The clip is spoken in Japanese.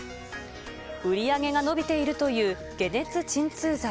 売り上げが伸びているという解熱鎮痛剤。